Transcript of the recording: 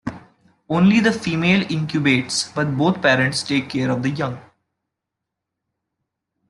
Only the female incubates, but both parents take care of the young.